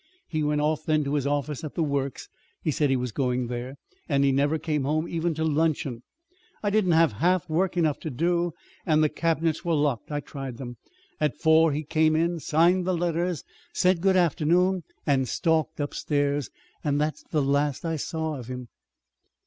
He went off then to his office at the Works (he said he was going there), and he never came home even to luncheon. I didn't have half work enough to do, and and the cabinets were locked. I tried them. At four he came in, signed the letters, said good afternoon and stalked upstairs. And that's the last I saw of him."